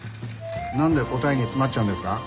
なんで答えに詰まっちゃうんですか？